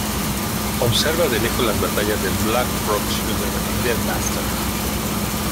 Observa de lejos las batallas de Black Rock Shooter y Dead Master.